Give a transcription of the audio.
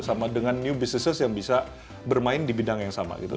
sama dengan new business yang bisa bermain di bidang yang sama gitu